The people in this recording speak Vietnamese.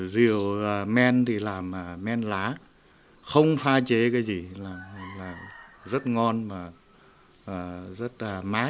rượu men thì làm men lá không pha chế cái gì là rất ngon và rất mát